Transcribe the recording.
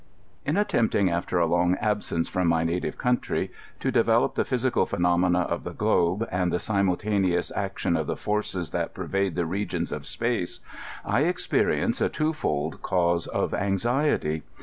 In attempting, after a kmg abfience from my native coun try, to develop the phyncal phenomena of the globe, and the fiimtiltaneous action of the fbrcoB that pervade the regions of apace, I experience a two fold cause of anxiety.